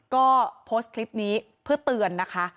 ก็โพสต์คลิปนี้เพื่อเตือนนะคะ